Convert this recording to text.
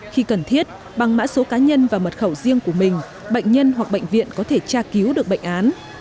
khi cần thiết bằng mã số cá nhân và mật khẩu riêng của mình bệnh nhân hoặc bệnh viện có thể tra cứu được bệnh án